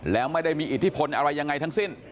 แล้วไม่ได้มีอิทธิพลอะไรยังไงทั้งสิ้น